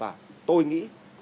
và tôi nghĩ